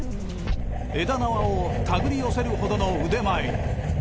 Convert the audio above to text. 枝縄を手繰り寄せるほどの腕前に。